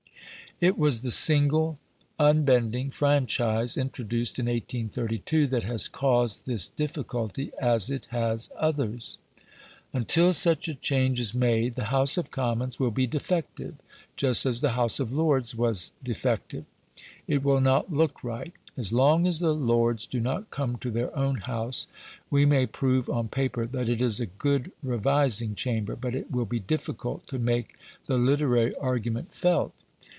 It was the single, unbending franchise introduced in 1832 that has caused this difficulty, as it has others. Until such a change is made the House of Commons will be defective, just as the House of Lords was defective. It will not LOOK right. As long as the Lords do not come to their own House, we may prove on paper that it is a good revising chamber, but it will be difficult to make the literary argument felt.